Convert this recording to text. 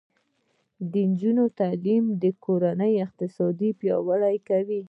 د نجونو تعلیم د کورنۍ اقتصاد پیاوړی کوي.